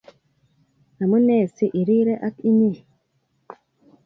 Amune si irire ag inye